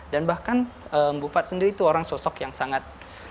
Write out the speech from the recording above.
dan bahkan bufat sendiri itu orang sosok yang sangat